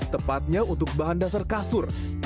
tepatnya untuk bahan dasar kasur